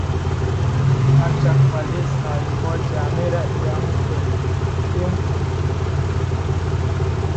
Acha kwa lisaa limoja hamira iumuke